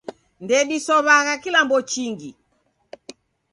Ndedisow'agha kilambo chingi.